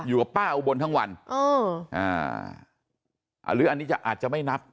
หรือว่าป้าเอาบนทั้งวันหรืออันนี้อาจจะไม่นับ